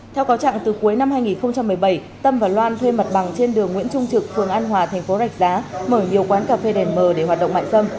theo cáo trạng từ cuối năm hai nghìn một mươi bảy tâm và loan thuê mặt bằng trên đường nguyễn trung trực phường an hòa thành phố rạch giá mở nhiều quán cà phê đèn mờ để hoạt động mại dâm